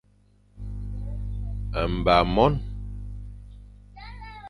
Mba mon.